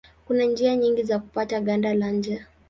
Kuna njia nyingi za kupata ganda la nje.